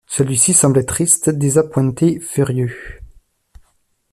Celui-ci semblait triste, désappointé, furieux.